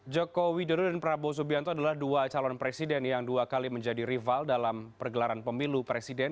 joko widodo dan prabowo subianto adalah dua calon presiden yang dua kali menjadi rival dalam pergelaran pemilu presiden